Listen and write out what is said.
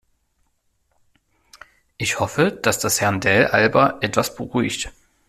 Ich hoffe, dass das Herrn Dell' Alba etwas beruhigt.